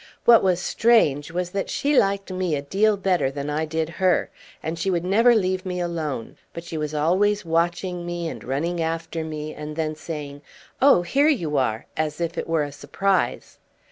What was strange was that she liked me a deal better than I did her, and she would never leave me alone; but she was always watching me and running after me, and then saying, "Oh, here you are!" as if it were a surprise.